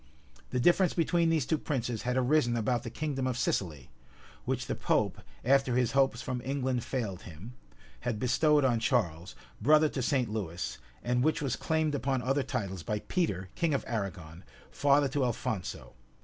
[*] The difference between these two princes had arisen about the kingdom of Sicily, which the pope, after his hopes from England failed him, had bestowed on Charles, brother to St. Lewis, and which was claimed upon other titles by Peter, king of Arragon, father to Alphonso.